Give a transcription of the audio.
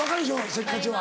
せっかちは。